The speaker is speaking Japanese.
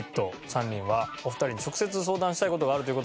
３人はお二人に直接相談したい事があるという事で」きた！